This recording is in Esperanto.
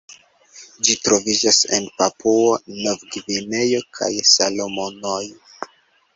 Ĝi troviĝas en Papuo-Novgvineo kaj Salomonoj.